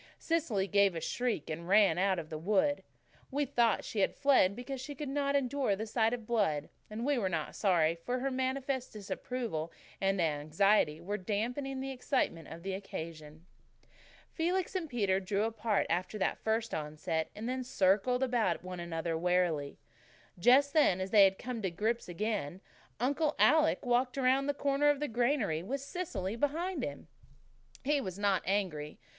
Cecily gave a shriek and ran out of the wood. We thought she had fled because she could not endure the sight of blood, and we were not sorry, for her manifest disapproval and anxiety were damping the excitement of the occasion. Felix and Peter drew apart after that first onset, and circled about one another warily. Then, just as they had come to grips again, Uncle Alec walked around the corner of the granary, with Cecily behind him. He was not angry.